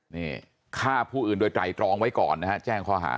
นี่ฆ่าผู้อื่นโดยไตรตรองไว้ก่อนนะฮะแจ้งข้อหา